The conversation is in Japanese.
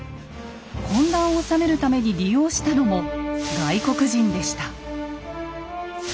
混乱をおさめるために利用したのも外国人でした。